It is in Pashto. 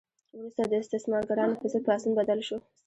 وروسته د استثمارګرانو په ضد پاڅون بدل شو.